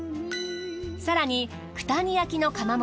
更に九谷焼の窯元